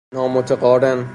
نامتقارن